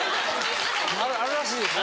あるらしいですよ。